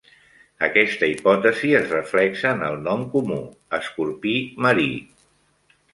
Aquesta hipòtesi es reflexa en el nom comú "escorpí marí".